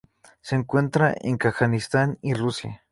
Se encuentran en Kazajistán y Rusia.